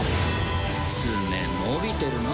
爪伸びてるな。